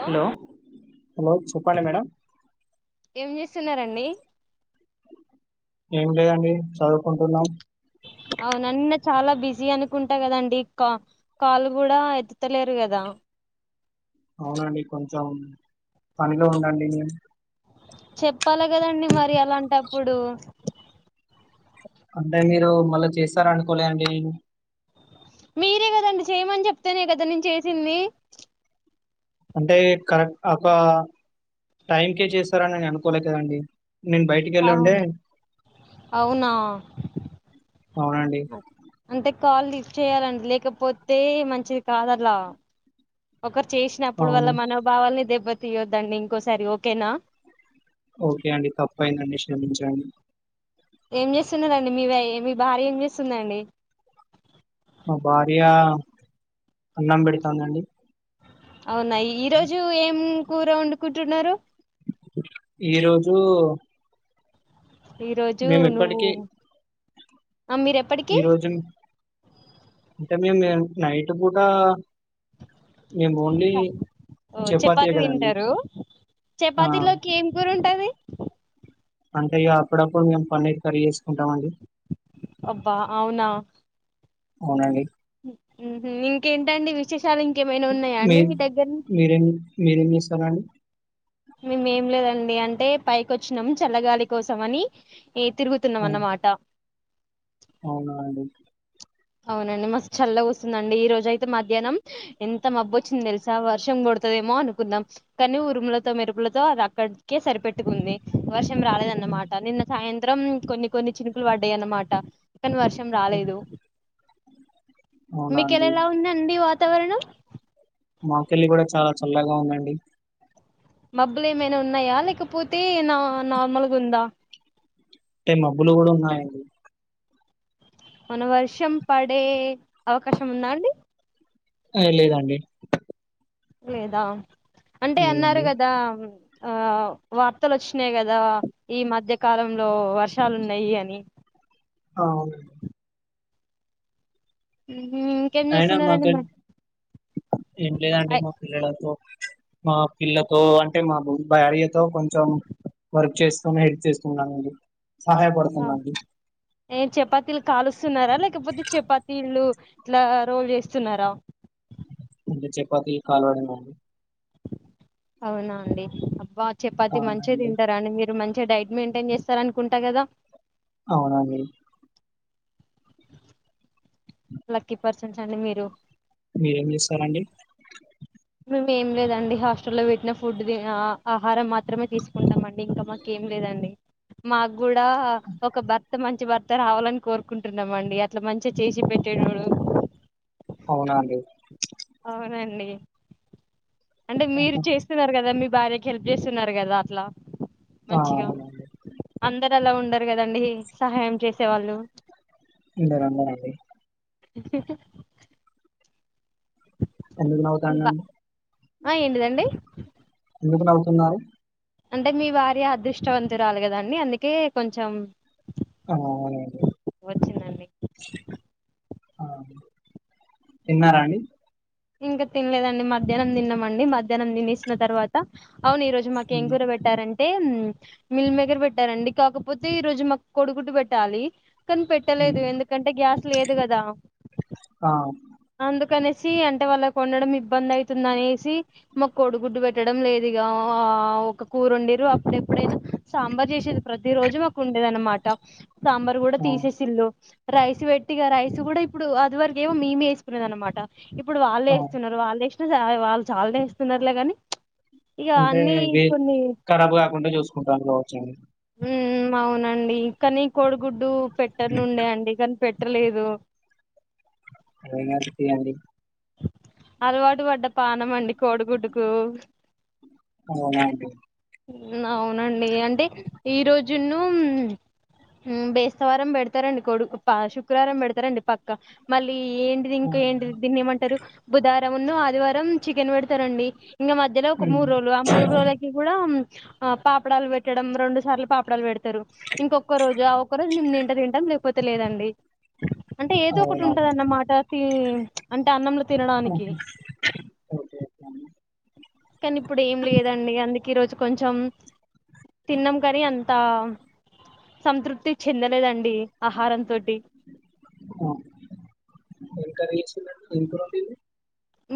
Hello hello చేపండి madam ఏం చేస్తున్నారండి ఏం లేదండి చదువుకుంటున్నాం అవునన్న చాలా బిజీ అనుకుంటా కదండి కా కాల్ కూడా ఎత్తుతలేరు కదా అవునండి కొంచెం పనిలో ఉండండి నేను చెప్పు చెప్పాల కదండి మరి ఆలాంటప్పుడు అంటే మీరు మళ్ళా చేస్తార అనుకోలే అండి మీరే కదండి చేయమని చెప్తేనే కదా నేను చేసింది అంటే కరెక్ట్ ఒక టైంకే చేస్తారాని నేను అనుకోలే కదండి నేను బయటికి వెళ్ళి అవు ఉండే అవునా అవునండి అంటే కాల్ లిఫ్ట్ చేయాలండి లేకపోతే మంచిది కాద అలా ఒకరు చేసినప్పుడు వాళ్ళ అవును మనోభావాల్ని దెబ్బతి తీయొద్దండి ఇంకోసారి ఓకేనా ఓకే అండి తప్పుఅయిందండి క్షమించండి ఏం చేస్తున్నా మీ మీ భార్య ఏం చేస్తుందండి మా భార్య అన్నం పెడతందండి అవునాయి ఈ రోజు ఏం కూర వండుకు ుంటున్నారు ఈ రోజు ఈ రోజు మేము నువ్వు ఇప్పటికీ ఆ మీరు ఎప్పటికిీ ఈ రోజు అంటే మేము నైట్ పూట మేము ఓన్లీ ఓ చపాతీయే చపాతి కదండి తింటారు. ఆ చపాతిలోకి ఏం కూర ఉంటది. అంటే ఇగా అప్పుడప్పుడు మేం పన్నీర్ కర్రి చేస్ అబ్బా అవునా అవునండి. హ్ హు ఇంకేంటండి విశేష చాలా ఇంకేమైనా ఉన్నాయా అండి మీ దగ్గర సరనీ మేముేం లేదండి అంటే పైకి వచ్చినాం చల్లగాలి కోసం అని ఏ తిరుగుతున్నాం అవును. అన్నమాట అవునా అండి అవునండి మస్తు చల్ల వస్తుందండి ఈ రోజ అయితే మధ్యాహ్నం ఎంత మబ్బు వచ్చింది తెలుసా వర్షం కొడుతుదేమో అనుకుందాం కానీ ఉరుములతో మెరుపులతో అక్కడికే సరిపెట్టుకుంది వర్షం రాలేదన్నమాట నిన్న సాయంత్రం సాయంత్రం కొన్ని కొన్ని చినుకులు పడ్డాయి అన్నమాట క్కన వర్షం అవునా రాలేదు అవునా మీకుెలా అండి ఎలా ఉందండి వా తవరణం మా పేళ్ళి కూడా చాలా చల్లగా ఉందండి. మబ్బులు ఏమైనా ఉన్నాయా లేకపోతే నా నార్మల్గా ఉందా. అంటే మబ్బులు కూడా ఉన్నాయి అండి. ఏమన్న వర్షం పడే అవకాశం ఉంద అండి. ఆ లేదండి. లేదా అంటే అన్నారు. లేదండి గాదా ఆ వార్తలు వోచ్చినాయి. కదా ఈ మధ్యకాలంలో వర్షాలున్నాయి. అని అవునండి. హ్ ఇంకేం అయినా చేస్తున్నరండి. మాకు మరి ఏం లేదండి. ఐ- మా పిల్లలతో మా పిల్లతో అంటే మా భార్యతో కొంచెం వర్క్ చేస్తునే హెల్ప్ చేస్తున్నానునండి. ఆ, సహాయపడుతున్నా అండి. ఏ చపాతీలు కాలుస్తున్నారా లేకపోతే చపాతీలు ఇట్లా రోల్ చేస్తున్నారా అంటే చపాతీ కాల్వడం అండి. అవునా అండి. అబ్బా చపాతి మంచిగా అవునండి తింటారా అండి. మీరు మం డైట్ మెయింటైన్ చేస్తారూ అనుకుంటా గాదా అవునా అండి. లక్కీ పర్సన్స్ అండి మీరు మీరేం చేస్తారండి. మేం ఏం లేదండి, హాస్టల్లో పెట్టిన ఫుడ్ తిన్ ఆహారం మాత్రమే తీసుకుంటామండి. ఇంక మాకేం లేదండి. మాగ్గుడా ఒక భర్త మంచి భర్త రావాలని కోరుకుంటున్నామండి. అట్లా మంచిగా చేసి పెట్టేటోడు. అవునా అండి? అవునండి. అంటే మీరు ఆహా! చేస్తున్నారు కదా, మీప్ బార్యకి హెల్ప్ చేస్తున్నారు. కదా అట్లా ఆ మంచిగా అవును అండి. అందరు అలా ఉండరు. కదండి సహాయం చేసేవాళ్ళు మీరందరండి. ఎందూకు నవ్వుతల్లు బా అండి. ఆ ఏంటిదండి ఎందుకు నవ్వుతున్నారు. అంటే మీ భార్య అదృష్టవంతురాలు కదండి. అందుకే కొంచెం ఆ అవునండి. వచ్చిందండి తిన్నారా అండి? ఇంక తినలేదండి, మధ్యాహ్నం తిన్నామండి. మధ్యాహ్నం తినేసిన తర్వాత అవును ఈ రోజు మాకు హ్మ్. ఎంకూర పెట్టారన్ అంటే మిల్ మేకర్ పెట్టారండి, కాకపోతే ఈ రోజు మాకు కొడిగుడ్డు పెట్టాలి. కని పెట్టలేదు, హ్మ్. ఎందుకంటే గ్యాస్ లేదు కదా ఆ అందుకనేసి అంటే వాళ్ళకు వండడం ఇబ్బంది అయితుందనేసి, మాకు కొడుగుడ్డు పెట్టడం లేదు ఇగ. ఆ ఒక కూరుండిర్రు, అప్పుడెప్పుడైనా సాంబార్ చేసేది. ప్రతి రోజు మాకు ఉండేది అన్నమాట. సాంబార్ కూడా ఆ! తీసేసిల్లు. రైస్ పెట్టిగా రైస్ కూడా ఇప్పుడు, అది వరకేమో మేమే ఏస్ కునేది అన్నమాట. ఇప్పుడు వాల్లే ఆ! ఏస్తున్నరు, వాల్లేసినా వాళ్ళు చాలానేే ఏస్తున్నరులే గని అంటే వే, కరాబ్ కాకుండా చూసుకుంటార్రు కావచ్చు వాళ్ళు. ఉమ్ అవునండి కనీ, కోడిగుడ్డు పెట్టనుండే అండి కనీ, పెట్టలేదు. ఏం కాదుతీ అండి. అలవాటు పడ్డ పానం అండి, కోడిగుడ్డుకు. అవునా అండి. అవునండి అంటే ఈ రోజున్ను బేస్తవారం పెడతారండి కొడు శుక్రవారం పెడతారండి పక్కా మళ్ళీ ఆ! ఎంటిదింకా ఏంటిది దీన్ని ఏమ బుధరం ఉన్ను ఆదివారం చికెన్ వేడుతరండి ఇంగా మధ్యలో ఒక మూడు హ్మ్. రోజులు ఆ మూడు రోజులకి కూడా ఆ పాపడాలు వేట్టడం రెండు సార్లు పాపడాలు వేడ్ తరు ఇంకొక్క రోజు ఆ ఒక్క రోజు మేము తింటే తింటాం లేకపోతే లేదండి అంటే ఏదో ఒకటి అవునా అండి. ఉంటదన్నమాట తి అం త అన్నం లో ఆ హ, ఓకే ఓకె అండి. కనీ ఇప్పుడు ఏం లేదండి. అందుకే ఈరోజు కొంచెం తిన్నాం కానీ, అంతా సంతృప్తి చెందలేదండి ఆహారం తోటి. ఇంప్రోటిన్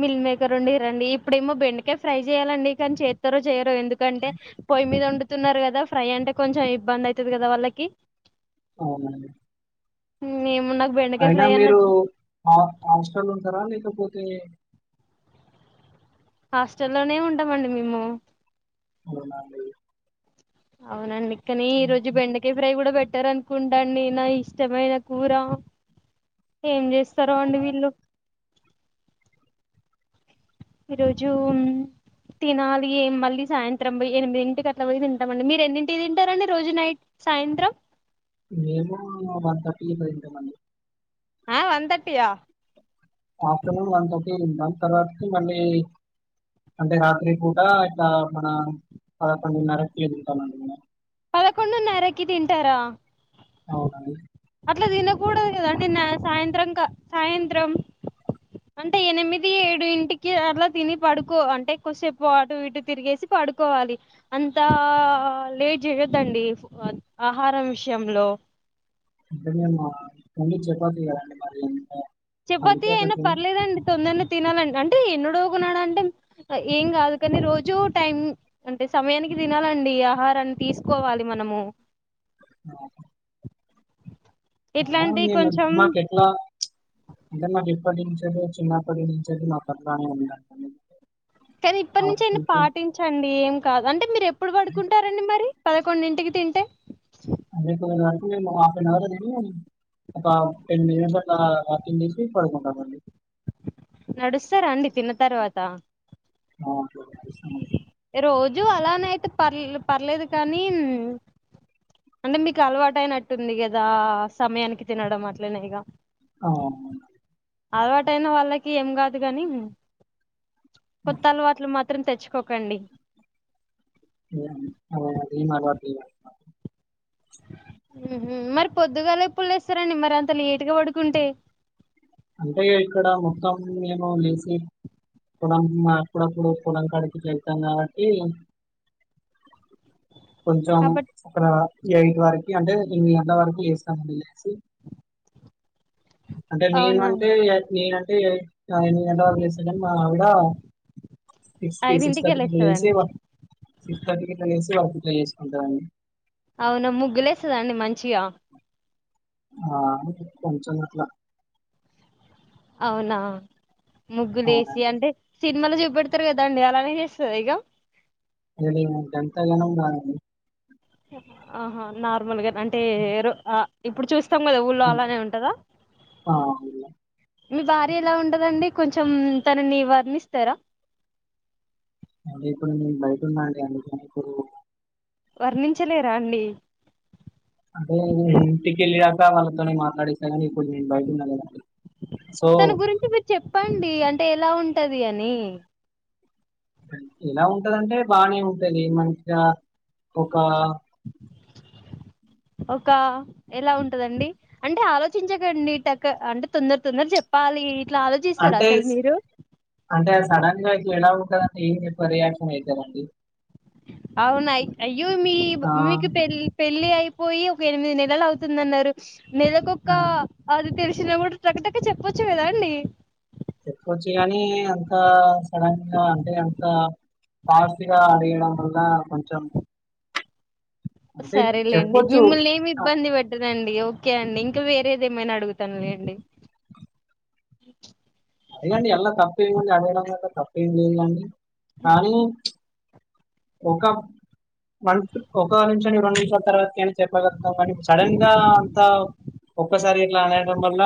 మిల్క్ మేకర్ వండిరండి ఇప్పుడేమో బెండకాయ ఫ్రై చేయాలండి కానీ చేత్రో చేయ ఎందుకంటే పొయి మీద వొండు తున్నారు కదా ఫ్రై అంటే కొంచెం ఇబ్బంది అయితది గాదా వాళ్ళకి అవునండి ఏమున్నా అయినా మీరు హా హాస్టల్ ఉంటారా లేకపో తే హాస్టల్లోనే ఉంటామండి మేము అవునాండి అవునండి కానీ ఈ రోజు బెండకాయ ఫ్రై కూడా పెట్ పెట్టరనుకుంట అండి నా ఇష్టమైన కూర ఏం చేస్తారో అండి వీళ్ళు ఈ రోజు తినాలి మళ్ళీ సాయంత్రం ఎనిమిదింటికి అట్లా పోయి తింటామండి మీరు ఎన్నింటికి తింటారండి రోజు నైట్ సాయంత్రం మేము వన్ థర్టీ ఇట్ల తింటమండి ఆ one thirty yeah afternoon one thirty తింటాం తర్వాతకి మళ్ళీ అంటే రాత్రి పూట ఇట్లా మన పదకొండున్నరకి తింటామండి మేము పదకొండున్నరకి తింటరా అవునండి అట్లా తినకూడదు కదాండి నా సాయంత్రం సాయంత్రం ఎనిమిది ఏడు ఇంటికి కి అట్లా తిని పడుకో అంటే కొసేపు అటు ఇటు తిరిగేసి పడుకోవాలి అంతా లేట్ చేయొద్దండి ఆహారం విషయంలో అంటే మేము కొన్ని చపాతి కదండి మరింత చపాతి అయినా పర్లేదండి తొందరనే తినాలండి అంటే ఎన్నడోగునాడు అంటే ఏం కాదు కాని రోజు టైం అంటే సమయానికి తినాలండి ఆహారం తీసుకోవాలి మనము అహా ఇట్లాంటి అయినా కొంచెం మాకేట్లా అంటే మాకేప్పట్నించి [inaudible] చిన్నప్పటి నుంచెల్లి మాకు అట్లానే [inaudible] కానీ ఇప్పటి నుంచి అయినా పాటించండి ఏం కాదు. అంటే మీరు ఎప్పుడు పడుకుంటారండి మరి. పదకొండింటికి తింటే [inaudible] మేము హాఫ్ అన్ అవర్నోతిని ఒక టెన్ మినిట్స్ అట్లా వాకింగ్ చేసి పడుకుంటామండి. నడుస్తారా అండి తిన్న తర్వాత. ఆ [inaudible] చేస్తమండి. రోజు అలానే అయితే పర్ పర్లేదు కానీ అంటే మీకు అలవాటు అయినట్టుంది కదా. సమయానికి తినడం అట్లనే ఇగా ఆ! అవునండి. అలవాటయిన వాళ్ళకి ఏం కాదు దు గాని కొత్త అలవాట్లు మ త్రం తెచ్చుకోకండి. అది మా [inaudible] హుహ్ మరి పొద్దుగాల ఎప్పుడు లేస్తరండి మరి అంత లేటుగా పడుకుంటే. అంటే ఇక్కడ మొత్తం మేము లేసి పొలం అప్పుడప్పుడు పొలంకాడికి వెళ్తాం కాబట్టి కొంచెం కాబట్టి అక్కడ ఎయిట్ వరకి అంటే ఎనిమిది గంటల వరకు లేస్తామండి. అంటే నేను అవునా అంటే నేను ఎ ఐ ఆ ఎనిమిది గంటల వరకు లేస్తా కానీ మా ఆవిడ సిక్స్కి సిక్స్ ఐదింటికే థర్టీకి లేసి లేస్తదండి సిక్స్ థర్టీకి గిట్లా లెసి చ [unintelligible] [unintelligible] చేసుకుంటాఅండి. అవునా ముగ్గులేస్తాదా అండి మంచిగా. ఆ కొంచం అట్లా అవునా ముగ్గులు ఎసి అవునండి అంటే సినిమాలో చెప్ పెడతరు కదా అండి అలానే చేస్తదా ఇగా మరి ఈమె గంతగనం కాదండి. ఆహా నార్మల్గా. అంటే ఎరు అ ఇప్పుడు చూస్ చుస్తాం కదా ఊళ్ళో కొంచెం అలానే ఉంటదా. ఆ, అవునండి. మీ భార్య ఎలా ఉంటదండి. కొంచెం తనని వర్ణిస్తరా. అంటే ఇప్పుడు నేను బయట ఉన్నాండి. అందుకని ఇప్పుడు వర్ణించలేరా అండి. అంటే ఇంటికెళ్లాక వాళ్ళతోని మాట్లాడిస్త గానీ ఇప్పుడు నేను బయటున్న కదండి. తన గురించి మీరు చెప్పండి అం టే ఎలా ఉంటది అనీ. ఎలా ఉంటదంటే బానే ఉంటది మంచిగా, ఒకా ఒక ఎలా ఉంటదండి అంటే ఆలోచించకండి టక అంటే తొందర తొందర చెప్పాలి. ఇట్లా ఆలోచిస్తారా అసలు అంటేస్ మీరు అంటే సడన్ గా ఇట్ల ఎలా ఉంటది ఏమి పరిహాసమయితమండి. అవునయి అయ్యో మీబ్ ఆ మీకు పెళ్ పెళ్లి అయి పోయి ఒక ఎనిమిది నెలలు అవుతుందన్నారు. ఆ, నెలకొక్కా అది తెలుస్ చినపుడు టక టక చెప్పొచ్చు కదా అండి. చెప్పుకొవచ్చు గాని అంతా ంత సడన్ గా అంటే అంతా ఫాస్ట్ గా అడగడం వల్లా కొంచెం అంటే సరేలేండి చెప్పొచ్చు మిమ్మల్ని ఏమి ఆ, ఇబ్బంది పెట్టనండి. ఓ కే అండి ఇంకా వేరేది ఏమైనా అడుగుతాను లేండి. అదే అండి ఎల్లకా టే అడగడంలో అంత తప్పేం లేదు గాని, కానీ ఒక వన్స్ ఒక నిమిషం రెండు నిమిషాల తర్వాతికైనా చెప్పగలుగుతం గాని, సడన్ గా అంత ఒక్కసారి ఇట్లా అనేయడం వల్ల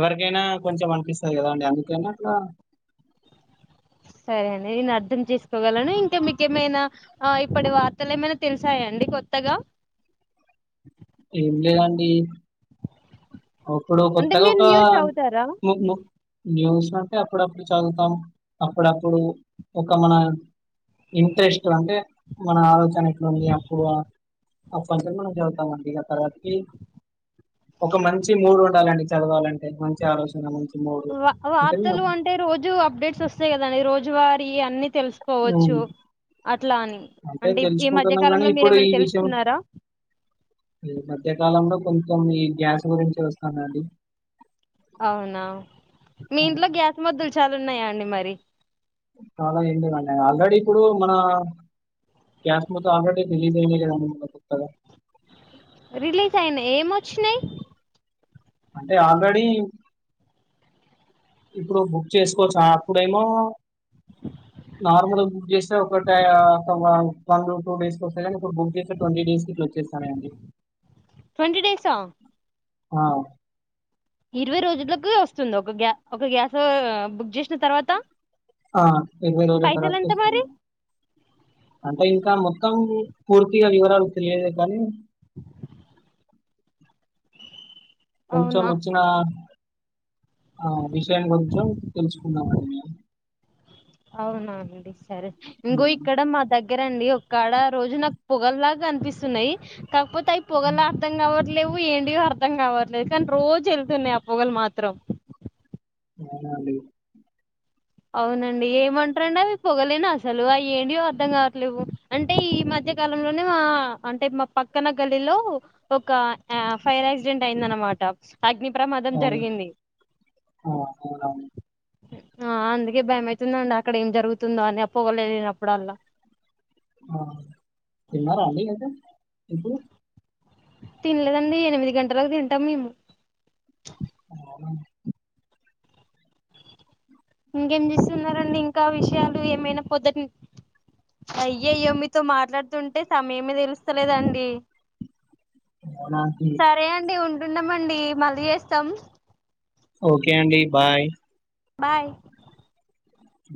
ఎవరికైనా కొంచెం అనిపిస్తది కదా అండి. అందుకనే అట్లా సరే అండి నేను అర్థం చేసుకోగలను, ఇంక మీకేమైనా ఇప్పటి వార్తలు ఏమైనా తెలుసాయాండి కొత్తగా? ఏం లేదండి. ఉప్పుడు అంటే కొత్తగా మీరు ఒకా న్యూస్ చదువుతారా [unintelligible] న్యూస్ అంటే అప్పుడప్పుడు చదువుతాం అప్పుడప్పుడు ఒక మన ఇంట్రెస్ట్ అంటే మన ఆలోచ [unintelligible] అప్పుడు [unintelligible] మనం చెబుతామం ఇగ తర్వాతకీ ఒక మంచి మూడ్ ఉండాలండి. చదవాలం వ వార్తలు అంటే రోజు అప్డేట్స్ వస్తాయి కదా రోజు వారి యి అన్ని తెలుసుకోవచ్చు అట్లా అని, అంటే ఈ తెలుసుకుంటున్నాం గానీ, మధ్యకాలంలో ఇప్పుడు ఈ మీరేమన్న విషయం తెలుసుకున్నారా? ఈ మధ్య కాలంలో కొంచెం ఈ గ్యాస్ గురించి వస్తానండి అవునా మీ ఇంట్లో గ్యాస్ మొద్దులు చాల ఉన్నాయా అండి మర్ రి చాల ఏం లేదండి ఆల్రెడీ ఇప్పుడు మన క్యాస్మతో ఆల్రెడీ రిలీజ్ అయింది కదండి [unintelligible] కొత్తగా రిలీజ్ అయినయి ఏమొచ్చినయి. అంటే ఆల్రెడీ ఇప్పుడు బుక్ చేసుకోవచ్చు అప్పుడేమో నార్మల్గా బుక్ చేస్తే ఒక ట వన్ టూ డేస్కే వస్తేనీ ఇప్పుడు బుక్ చేస్తే ట్వంటీ డేస్ కిట్ల వచ్చేస్తన్నాయండి. ట్వంటీ డేసా ఆ ఇరవై రోజులకు వస్తుంది ఒక గ్యా ఒక గ్యాస్ బుక్ చేసిన తర్వాత ఆ ఇరవై రోజుల పైసలు తర్వాత ఎంత మరి ఇస్తున్నా అంటే ఇంకా మొం మొత్తం పూర్తిగా వివరాలు తెలియదు కానీ కొంచెం అవునా వచ్చిన ఆ విషయం గురించం తెలుసుకున్నామండి మేము అవునా అండి సరే ఇంకో హ్మ్. ఇక్కడ మా దగ్గర అండి ఒక్కాడ రోజు నాకు పొగల్లాగా కనిపిస్తున్నయి కాకపోతే అయి పోగల్లా [unintelligible] లేవ్వు ఏంటిదో అర్థం కావట్లేదు కానీ రోజు ఎళ్తున్నాయి ఆ పొగలు మాత్రం. అవునా అండి. అవునండి ఏమంటరండి అవి పొగలేను అసలు అవి ఏంటిో అర్ధం కావట్లేవు అంటే ఈ మధ్య కాలంలోనే ఆ మా అంటే మా పక్కన గల్లిలో ఒక య ఫైర్ యాక్సిడెంట్ అయిందనమాట అగ్ని ప్రమాదం అవును. జరిగింది. ఆ! అవునవును. ఆ అందుకే భయమవుతుందండి అక్కడ ఏం జరుగుతుందో అని అప్పోగలేగినప్పుడల్లా ఆ తిన్నారా అండి అయితే ఇప్పుడు తినలేదండి. ఎనిమిది గంటలకు తింటాం మేము అ ఇంకేం చేస్తున్నారండి ఇంకా విషయాలు ఏమైనా పొద్దట్ అయ్యయ్యో మీతో మాట్లాడుతుంటే సమయమే తెలుస్తలేదండి. అవునా అండి. సరే అండి ఉం ఉంటున్నామండి మళ్ళీ చేస్తాం. ఓకే అండి బాయ్ బాయ్